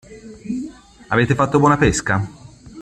Avete fatto buona pesca?